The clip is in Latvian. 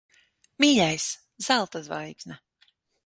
Mīļais! Zelta zvaigzne.